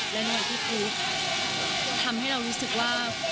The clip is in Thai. และในที่สุดทำให้เรารู้สึกว่า